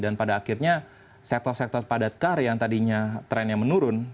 dan pada akhirnya sektor sektor padat kar yang tadinya trennya menurun